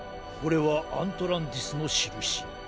これはアントランティスのしるし。